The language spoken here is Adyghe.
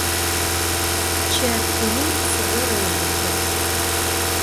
Çetıum tsığor ıubıtığ.